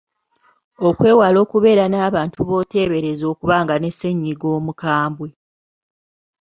Okwewala okubeera n’abantu b’oteebereza okuba nga ne ssennyiga omukambwe.